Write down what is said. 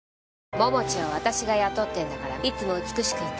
桃地は私が雇ってるんだからいつも美しくいて。